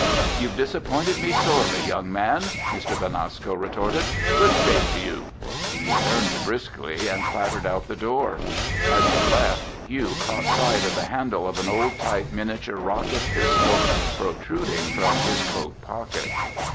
"You've disappointed me sorely, young man," Mr. Benasco retorted. "Good day to you." He turned briskly and clattered out the door. As he left, Hugh caught sight of the handle of an old type miniature rocket pistol protruding from his coat pocket.